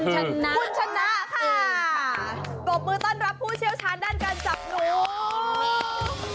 กบมือต้อนรับผู้เชี่ยวชาญด้านการจับหนู